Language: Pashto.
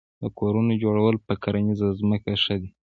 د کورونو جوړول په کرنیزه ځمکه ښه دي؟